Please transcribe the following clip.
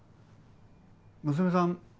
娘さん